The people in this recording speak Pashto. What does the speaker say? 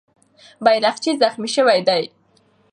بیرغچی زخمي سوی دی.